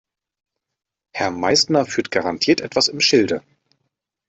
Herr Meißner führt garantiert etwas im Schilde.